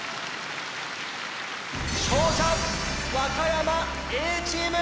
勝者和歌山Ａチーム！